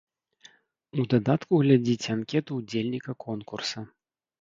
У дадатку глядзіце анкету ўдзельніка конкурса.